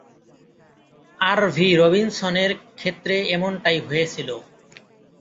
আর V রবিনসনের ক্ষেত্রে এমনটাই হয়েছিল।